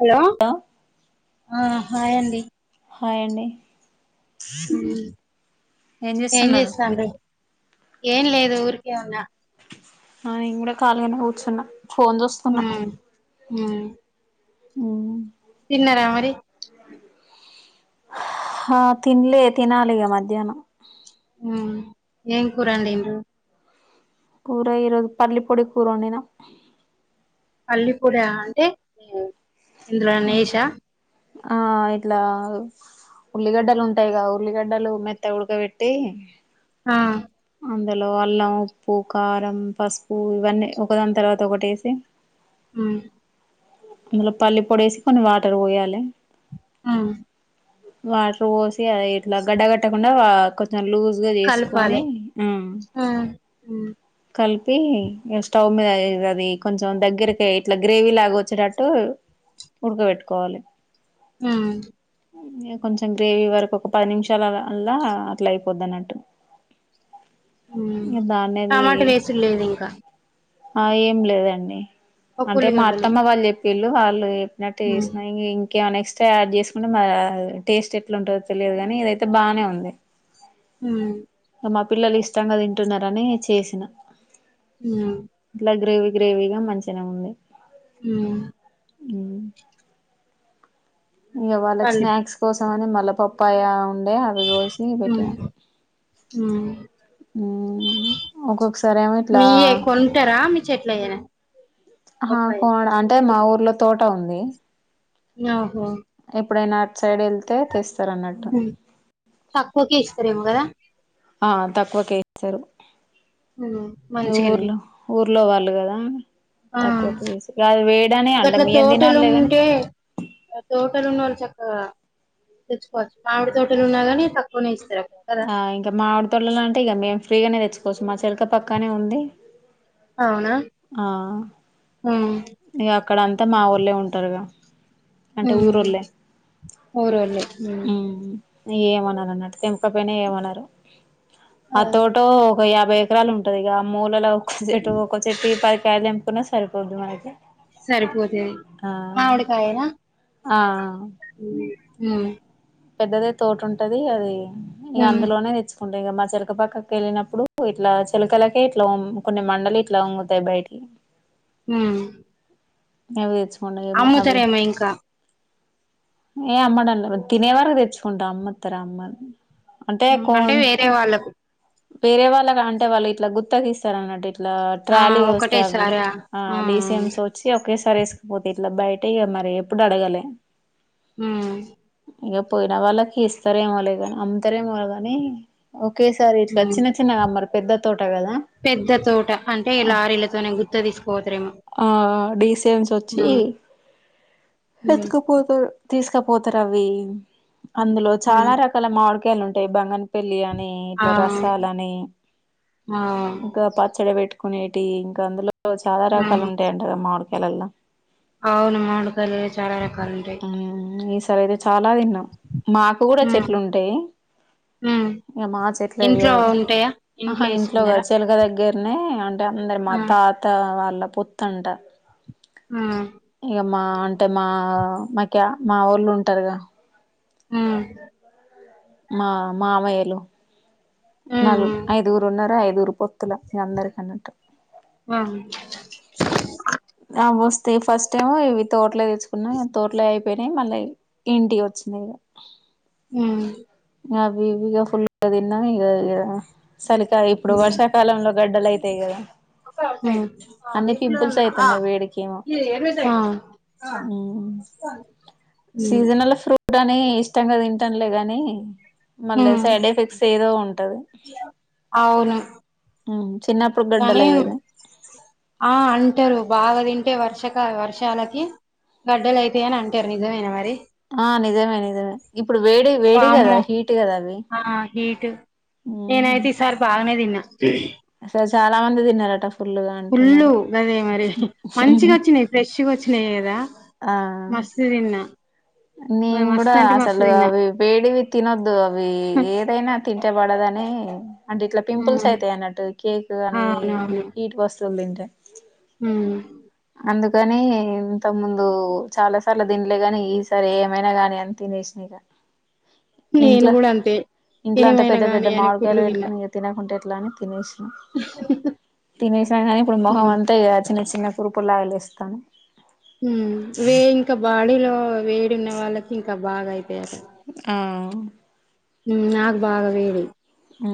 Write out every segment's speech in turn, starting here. Hello ఆ hi అండి hi అండి ఏం చేస్తాను ఏం లేదు ఊరికే వునా ఆ ఇ కూడ కాలిగనె కూర్చున్న ఉమ్ మ్ ఊహు తిన్నరా మరి హ తిన్లే తినాలిగా మధ్యాహ్నం ఉ ఏం కూర వండిండ్రు కూర ఈరోజు పల్లీ పొడి కూరండినా పల్లిపూడ అంటే ఇంద్ర నేష ఆ ఇట్లా ఉల్లిగడ్డలు ఉంటాయిగా ఉల్లిగడ్డలు మెత్తగ ఉడకబెట్టి ఆ అందులో అల్లం ఉప్పు కారం పసుపు ఇవన్నీ ఒకదాని తర్వాత ఒకటేసి ఉమ్ అందులో పల్లి పొడేసి కొన్ని వాటర్ పోయాలె ఆ వాటర్ పోసి అ ఇట్ల గడ్డగట్టకుండా కొంచెం లూజ్గా చేసుకొని ఆహ్ చెప్పి స్టవ్ మీద అ అది కొంచం దగ్గరకి ఇట్ల గ్రేవీ లాగా వచ్చేటట్టు ఉడకబెట్టుకోవాలె హుమ్మ్ ఇ కొంచెం గ్రేవీ వరకు ఒక పది నిమిషాల అల్లా అట్లా అయిపోద్ది అన్నట్టు హ్హ్ ఇగ దాన్నది టమాట వేసుర్లేదు ఇంకా ఆ ఏం లేదండి ఒక అంటే మా ఉల్లిగడ్డలు అత్తమ్మ వాళ్ళు చెప్పిళ్ళు వాళ్ళు అన్నట్టె ఉమ్ చేసినా అయి ఇం కెమైనా ఎక్స్ట్రా యాడ్ చేసుకుంటే మ టేస్ట్ ఎట్లా ఉంటందో తెలియదు గానీ ఇదయితే బానే ఉంది హు ఇగ మా పిల్లలు ఇష్టంగా తింటున్నరాని చేసిన ఉమ్ ఇట్లా గ్రేవీ. గ్రేవీగా మంచినే ఉంది. ఉ [inaudible] ఇంగ వాళ్ళకి పల్లి స్నాక్స్ కోసం అని, మల్ల పప్పాయ ఉండ్యా అది కోసి పెట్టినా. హు మ్మ్ ఒక్కొక్కసారి ఏమో ఇట్లా మీ ఏ కొంటారా మీ చెట్లయ్యనా. ఆ కోన్డు అంటే మా ఊర్లో తోట ఉంది. ఓహో అప్పుడేన అట్ సైడ్ వెళ్తే తెస్. [inaudible] తక్కువకే ఇస్తారేమో కదా! ఆ తక్కువ కే ఇస్తారు. ఉ మంచిగానే ఊళ్లో వాళ్ళు కదా! ఆ తక్కువకే ఇస్ [unintelligible] వేయడానే అండం మీం తిన్నాం లే గాని. ఆ తోటలు ఉన్న వాళ్ళు చక్కగా తెచ్చుకోవచ్చు మామిడి తోటలు ఉన్నా గానీ తక్కువనే ఇస్తారు. అక్ ఆ ఇంకా మామిడి తోటలలో అంటే ఇగ మేము ఫ్రీగానే, తెచ్చుకోవచ్చు మా చెలక పక్కనే ఉంది. అవునా ఆ హు అక్కడంతా మా ఓల్లే ఉంటారుగా. అంటే ఉమ్ ఊరోళ్ళే ఊరోళ్ళే ఉమ్ [inaudible] ఏమన్నారు, అన్నట్టు తెంకపోయినా ఏమన్నారు ఆ తోటో ఒక యాభై. ఎకరాలు ఉంటాది. ఇగ మూలలో ఒక్క చెట్టు, ఒక్క చెట్టు పదికాలు తెంపుకున్న సరిపోద్ది మనకి. ఆ మామిడికాయల ఆ పెద్దదే తోట ఉంటది అది ఇగ ఉమ్ అందులోనే తెచ్చు. ఉంటాయిగా మా చెలక పక్కకేళ్ళినప్పుడు, ఇట్లా చెలకలకే ఇట్లా, కొన్ని మండలు ఇట్లా ఉంగుతాయి బయటికి. ఆ మేం తేచ్ అమ్ముతారేమో ఇంకా ఏ అమ్మాడంలా [unintelligible] తినే వరకు తెచ్చుకుంటాం, అమ్మతర అమ్మర్. అంటే ఉమ్ కొన్ వేరే వాళ్ళకు వేరే వాళ్ళకు అంటే వాళ్ళు ఇట్లా గుత్తకిస్తారు, అన్నట్టు ఇట్. ట్లా ఆ ట్రాలీ వస్తావి ఒకటేసారా ఆ డిసిఎంస్ వచ్చి ఒకేసారి వేసుకుపోతే. ఇట్లా బయట ఇగ మరి ఎప్పుడు అడగాలే. హు ఇగా పోయిన వాళ్ళకి ఇస్తారేమో లే గాని, అమ్ముతారేమో గానీ ఒకేసా. రి ఇట్లా ఉమ్ చిన్న చిన్నగా అమ్మరు పెద్ద తోట కదా! పెద్ద తోట అంటే లారీలతోనే గుత్త తీసుకుపోతరేమో. ఆ డీసీఎంస్ వచ్చి ఉమ్ ఎత్తకపోత [unintelligible] తీసుకపోతారు. అవి అందులో చాలా ఉమ్ రకాల మామిడికాయలు, ఉంటాయి బంగనపల్లి అన్. నీ, ఆ రసాలని ఆ ఇంకా పచ్చడి పెట్టుకునేటి ఇంకా అందులో. లో చాలా రకాలుంటాయి అంటగా మామిడికాయలల్లా. ఆవును మామిడికాయలల్లో చాలా రకాలుంటాయి. మ్మ్ ఈసారి అయితే చాలా తిన్నాం మాకు కూడా ఉమ్ చెట్లు ఉంటాయి. ఉమ్ ఇగ మా చెట్లేది ఇంట్లో [unintelligible] ఉంటాయా ఆహా ఇంట్లో వేసుకున్నారా గాదు చెలక దగ్గే. నే అంటే అందరి మా ఉమ్ తాత వాళ్ళ పొత్తంట. ఆ ఇగా మా అంటే మా మైక్య మావోళ్ళు ఉంటారుగా. ఆ మా మామయ్యలు ఉమ్ నాలుగు ఐదుగురు ఉన్నారు ఐదుగురు పొ తుల మీ అందరకి ఆన్నట్టు ఉమ్ ఉమ్ ఫస్ట్ టైమ్ ఇవి తోటలే తెచ్చుకున్నా తోటలో అయిపో పోయినాయి మళ్ళీ ఇంటికి వచ్చినాయి ఇగ ఉమ్ ఉమ్ అవి ఇవి ఫుల్ గా తిన్నా ఇగ ఇగ చలికా ఇప్పుడు వర్షాకాలంలో గడ్డలు అయితాయి కదా హు అన్ని పింపుల్స్ హా అయితున్నాయి వేడికేమో ఉమ్. [unintelligible] సీజనల్ ఫ్రూట్ అని ఇష్టంగా తింటంలే గాని మళ్ళీ ఉమ్ సైడ్ ఎఫెక్ట్స్ ఏదో ఉంటది ఉ పోనీ ఆ అంటారు బాగా తింటే వర్షక వర్ వర్షాలకి గడ్డలు అయితాయని అంటారు నిజమేన మరి ఆ నిజమే నిజమే ఇప్పుడు వేడి వేడి కదా వామ్మో హీట్ కదా అవి నేను ఉమ్, అయితే ఈ సారీ బాగానే తిన్నా అసలు చాలా మంది తిన్నారట ఫుల్గా ఫుల్లు అంటున్నారు గదే మరి మంచిగా వచ్చినాయి ఫ్రెష్గా వచ్చిన లేదా ఆ మస్తు తిన్న నేను కూడా అసలు అవి వేడివి తినోద్దు అవి ఏదైనా తింటే పడదని అంటే ఇట్లా పింపుల్స్ ఉమ్, అయితాయి అన్నట్టు కేక్ అని హీట్ వస్తు వస్తువులు తింటే ఉ అందుకని ఇంతకు ముందు చాలా సార్లు తింలే గాని ఈ సారి ఏమైనా గాని అని తినేసినా నేను ఇంట్లో కూడా అంతే ఇంట్లో అంత ఏమైనా పెద్ద పెద్ద గాని అని మాడికాయలు ఫుల్లు తిన్నా పెట్టుకని ఇంగ తినకుంటే ఏ ట్లాని తినేసినా తినేసినాను కానీ ఇప్పుడు మొహం ఉమ్, అంతా చిన్న చిన్న తూరుపులాగా లేస్తాన్నాయి ఉ వే ఇంకా బాడీలో వేడిన్న వాళ్ళకి ఇంకా బాగా ఆయితాయట ఆ ఊ నాకు బాగా వేడి ఉ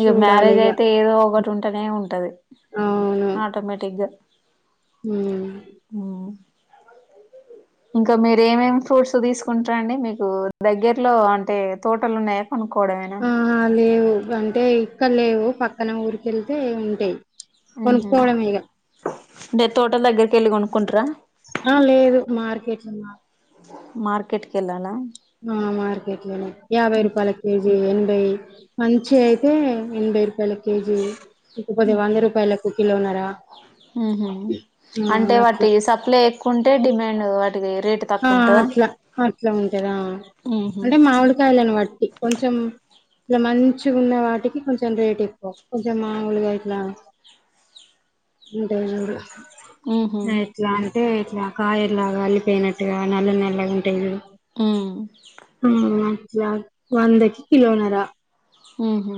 ఇగ మ్యారేజ్ చూడాలిగా అయితే ఏదో ఒకటి ఉంటేనే ఉంటది ఆటోమేటిక్గా ఊ ఉమ్ ఇంకా మీరు ఏమేమి ఫ్రూట్స్ తీసుకుంటార అండి మీకు దగ్గర్లో అంటే తోటలు ఉన్నాయా కొనుక్కోవడమేనా ఆ లేవు అంటే ఇక్కడ లేవు పక్కన ఊరికెళ్తే ఉంటాయి ఉహు కొనుక్కోవడమే ఇగ తోటల్ దగ్గరకి వెళ్ళి కొనుక్కుంటారా ఆ లేదు మార్కెట్ మార్కెట్ కి వెళ్ళాలా ఆ మార్కెట్ లోనే యాభై ఉహు. రూపాయల కేజీ ఎనభై మంచిగా అయితే ఎనభై రూపాయల కేజీ ఇంకపోతే వంద రూపాయలకు కిలోనరా ఉహు అంటే అట్లా వాటి సప్లై ఎక్కువ ఉంటే డిమాండ్ వాటికి రేట్ ఆ అట్లా అట్లా ఉంటదా ఉహు అంటే మామిడికాయలని బట్టి కొంచెం ఇట్లా మంచి ఉన్న వాటికి కొంచెం రేట్ ఎక్కువ కొంచెం మాముూలుగా ఇట్లా ఉంటాయి మూడు ఉహు అంటే ఇట్లా కాయల్లాగా అల్లిపోయినట్టుగా నల్ల నల్లాగా ఉంటాయి చూడు ఊ యా వందకి కిలో నరా ఉహు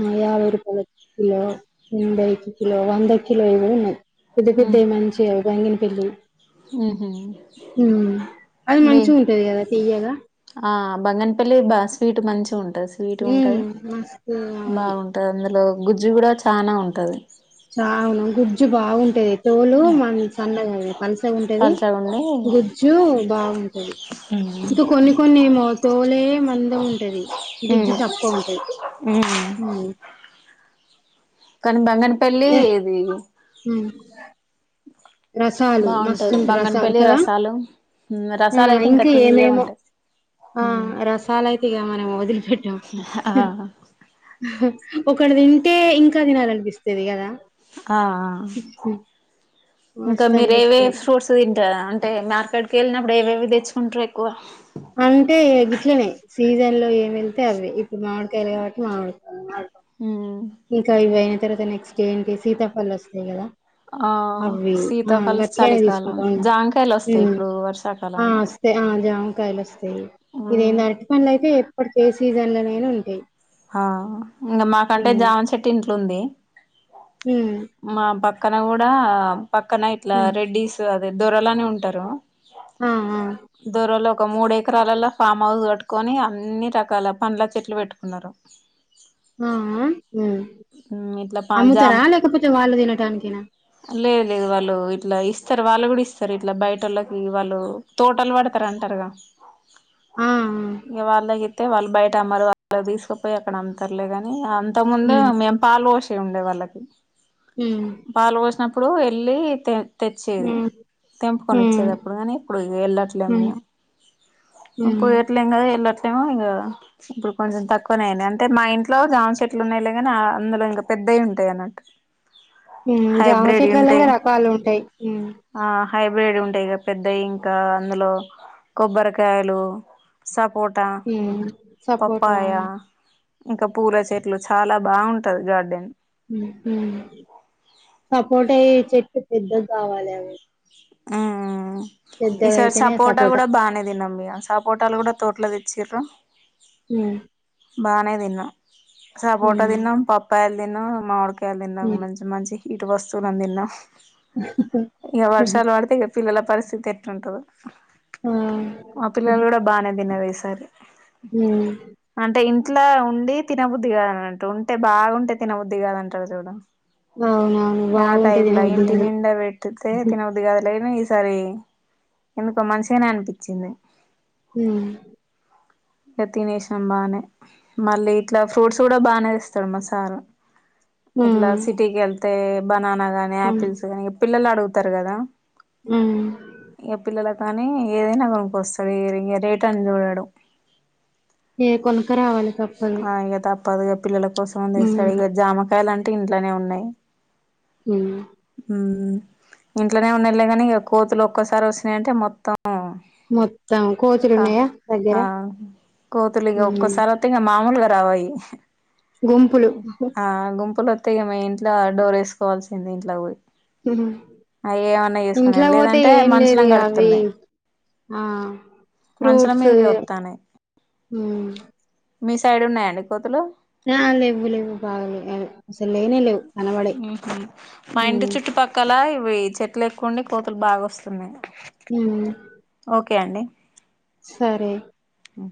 ఆ యాభై రూపాయలకి కిలో ఎనబై కి కిలో వందకి కలో ఇవి కూడా ఉన్నాయి పెద్దా ఉ పెద్దవి మంచివి బంగిన పల్లి ఉహు మ్మ్ అది మీ మంచిగా ఉంటది కదా తియ్యగా బంగనపల్లి బాగా స్వీట్ మంచిగా ఉంటంది స్వీట్ ఉమ్ ఉంటది మస్తు అవును బాగుంటది అందులో గుజ్జు కూడా చానా ఉంటది చానా గుజ్జు బాగుంటది తోలు సన్నగా పలుసగా ఉంటది పల్చగుండి గుజ్జు బాగుంటది ఇంకా కొన్ని కొన్ని కొన్నేమో తోలే మందం ఉంటది ఉమ్ గుజ్జు తక్కువ ఉంటది ఉమ్ కానీ బంగనపల్లి ఇది అ బాగుంటది రసాలు బంగనపల్లి కదా రసాలు ఆ రసాలు అయితే ఇంకా తీయ్యగా ఏమేమో ఉంటాయి ఆ ఉమ్. రసాలయితే ఇగ మనం వదిలిపెట్టం ఆ ఒకటి తింటే ఇంకా తినాలనిపిస్తది కదా ఆఆ ఇంకా మస్తు మీరు ఏవేవి అనిపిస్తది ఫ్రూట్స్ తింటారా అంటే మార్కెట్కి వెళ్ళినప్పుడు ఏవేవి తెచ్చుకుంటరు ఎక్కువ అంటే గిట్లనే సీజన్ లో ఏమి వెళ్తే అవి ఇప్పుడు మామిడికాయలు కాబట్టి మామిడికాయ ఉమ్ ఇంకా ఇవి అయిన తర్వాత నెక్స్ట్ డే ఏంటి సీతాఫలాలు వస్తాయి కదా ఆ అవి ఆ సీతాఫలం గట్టిగానే చలికాలం తీసుకుంటాం జామకాయలు వస్తాయి ఇప్పుడు ఆ వర్షాకాలంలో ఆ జామకాయలు వస్తాయి ఇదేందీ ఉమ్ అంటే అరటి పండ్లు అయితే ఎప్పటికి ఏ సీజన్ లోనైనా ఉంటాయి ఆ ఇంకా మాకంటే హ్మ్ జామ చెట్టు ఇంట్లుంది హ్మ్ పక్కన కూడా పక్కన ఇట్లా హ్మ్ రెడ్డీస్ అదే దొరలని ఉంటారు ఆ ఆ దొరలు ఒక మూడు ఎకరాలలో ఫామ్ హౌస్ కట్టుకొని అన్ని రకాల పండ్ల చెట్లు పెట్టుకున్నారు ఆ ఉమ్ ఇట్లా పా అమ్ముతారా జామ లేకపోతే వాళ్ళు తినటానికేనా లేదు లేదు వాళ్ళు ఇట్లా ఇస్తారు వాళ్ళు కూడా ఇస్తారు ఇట్లా బయటోళ్ళకి వాళ్ళు తోటలు పడతారు అంటరు క్కలా ఆ ఆ ఇంక వాళ్ళకి ఇత్తే వాళ్ళు బయట అమ్మరు వాళ్ళ తీసుకపోయి అక్కడ అమ్ముతారు లే గాని అంతకుముందు హ్మ్ మేము పాలు పోసే ఉండే వాళ్ళకి హ్మ్ పాలు పోసినప్పుడు ఇప్పుడు వెళ్ళితె తెచ్చేది హ్మ్ హ్మ్ తెంపుకొనిచ్చేదప్పుడు కానీ ఇప్పుడు వెళ్ళట్లేదు హ్మ్ మేము హ్మ్ పోయేట్లేదుగా ఎళ్లట్లే ఏమో ఇంకా ఇప్పుడు కొంచెం తక్కువనే అయినయ్ అంటే మా ఇంట్లో జామ చెట్లు ఉన్నాయి అందులో ఇంకా పెద్దవి ఉంటాయి అన్నట్టు జామ హైబ్రిడ్ చెట్లలో కూడా ఉంటాయి రకాలు ఉంటాయి ఆ హైబ్రిడ్ ఉంటాయి పెద్దవి ఇంకా అందులో కొబ్బరికాయలు సపోటా హ్మ్ సపోటా పపాయ ఇంకా పూల చెట్లు చాలా బాగుంటది గార్డెన్ సపోట చెట్టు పెద్దగ కావాలి అవి హ్హ్ పెద్దగా ఈసారి అయితేనే సపోటాలు సపోటా కూడా బాగానే తిన్నము ఇగ సపోటాలు కూడా తోట్ల తెచ్చిన్రు మ్మ్హ్ బాగానే తిన్నాం సపోటా తిన్నాం పప్పాయిలు తిన్నాం మామిడికాయలు తిన్నాం మంచి మంచి ఇటు వస్తువులను తిన్నం ఇగ హ్మ్ వర్షాలు పడితే ఇగ పిల్లల పరిస్థితి ఎట్లుంటదో ఆ మా పిల్లలు కూడా బానే తిన్నారు ఈ సారి మ్మ్ హ్ అంటే ఇంట్లో ఉండి తినబుద్ది కాదనట్టు ఉంటే బాగుంటే తినబుద్ది కాదంటరు చూడు అవునవును ఆ బాగుంటే టైం లా తినబుద్ధి ఇంటి కాదు నిండా పెట్తే తిన బుద్ది కాదులే ఈసారి ఎందుకో మంచిగానే అనిపించింది మ్మ్ హ్ ఇక తినేసినాం బానే మళ్ళీ ఇట్లా ఫ్రూట్స్ కూడా బానే తెస్తడు మా సారు ఉమ్ ఇట్లా సిటీకి వెళ్తే బనానా గాని ఆపిల్స్ కాని పిల్లలు అడుగుతారు కదా ఊ కానీ ఏదైనా కొనుకస్తడు ఇక రేట్ అని చూడడు ఏ కొనక రావాలే ఆ ఇక తప్పదుగా పిల్లల కోసం అని ఉమ్ తెస్తడు ఇక జామకాయలు అంటే ఇంట్లనే ఉన్నయి ఊ ఊ ఇంట్లనే ఉన్నయ్ లే కాని కోతులు ఒక్కసారి వచిన్నయంటే మొత్తం ఆ మొత్తం కోతులు క ఉన్నాయా దగ్గర ఆ కోతులిగా ఉమ్ ఒక్కసారి అట్ మామూలుగా రావయి గుంపులు ఉహు. ఆ గుంపులో తెమే ఇంట్ల డోర్ వేసుకోవాల్సింది ఇంట్లకు పొయి ఊహు ఇంట్లకు పోతే లేదంటే అంటే ఏం లేదు మనుషులం ఇగ అవి కడుతున్నాయి ఆ మనుషుల ఫ్రూట్స్ మీదకి వత్తాన్నాయి ఊ మీ సైడ్ ఉన్నాయండి కోతులు నా లేవు లేవు బాగలేవు అవి ఊహు మా ఇంటి ఉమ్ చుట్టుపక్కల అవి చెట్లు ఎక్కు ఉండి కోతులు బాగా వస్తున్నాయి ఊ ఓకే అండి సరే ఉ